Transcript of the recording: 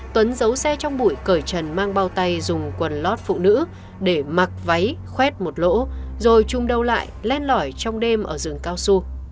tuấn giấu xe trong bụi cởi trần mang bao tay dùng quần lót phụ nữ để mặc váy khoét một lỗ rồi chung đâu lại len lỏi trong đêm ở rừng cao su